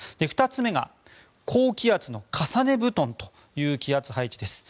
２つ目が高気圧の重ね布団という気圧配置です。